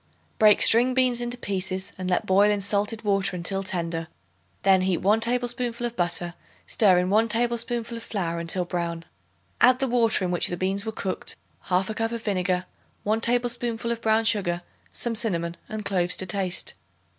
Break string beans into pieces and let boil in salted water until tender; then heat 1 tablespoonful of butter; stir in 1 tablespoonful of flour until brown. Add the water in which the beans were cooked, 1/2 cup of vinegar, 1 tablespoonful of brown sugar, some cinnamon and cloves to taste.